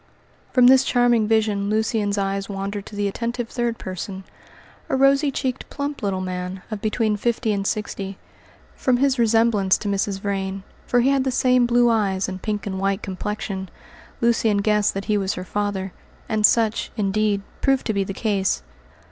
From this charming vision Lucian's eyes wandered to the attentive third person, a rosy cheeked, plump little man, of between fifty and sixty. From his resemblance to Mrs. Vrain for he had the same blue eyes and pink and white complexion Lucian guessed that he was her father, and such, indeed, proved to be the case.